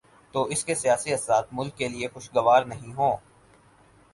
تو اس کے سیاسی اثرات ملک کے لیے خوشگوار نہیں ہوں۔